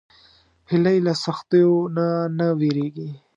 هیلۍ له سختیو نه نه وېرېږي